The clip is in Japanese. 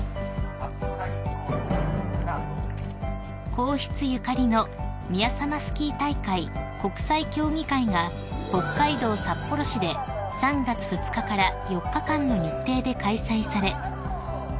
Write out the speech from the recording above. ［皇室ゆかりの宮様スキー大会国際競技会が北海道札幌市で３月２日から４日間の日程で開催され］